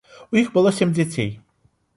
У іх было сем дзяцей.